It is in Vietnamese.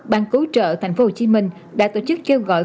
ban cứu trợ tp hcm đã tổ chức kêu gọi